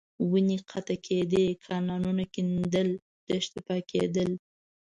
ونې قطع کېدې، کانالونه کېندل، دښتې پاکېدل.